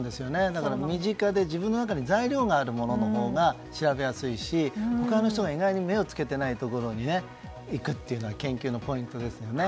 だから身近で自分の中に材料があるもののほうが調べやすいし、他の人が意外に目をつけていないところにいくというのは研究のポイントですよね。